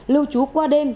lưu trú qua đêm